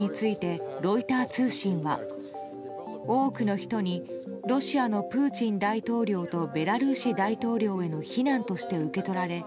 今回の賞についてロイター通信は多くの人にロシアのプーチン大統領とベラルーシ大統領への非難として受け取られ